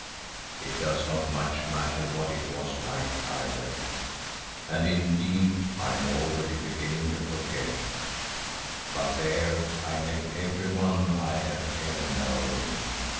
It does not much matter what it was like either, and indeed I am already beginning to forget, but there I met everyone I have ever known.